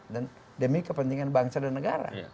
dan demi kepentingan bangsa dan negara